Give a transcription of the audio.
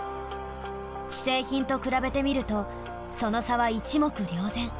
既製品と比べてみるとその差は一目瞭然。